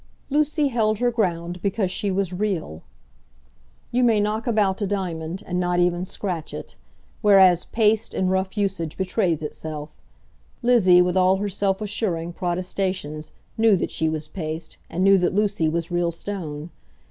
Lucy held her ground because she was real. You may knock about a diamond, and not even scratch it; whereas paste in rough usage betrays itself. Lizzie, with all her self assuring protestations, knew that she was paste, and knew that Lucy was real stone.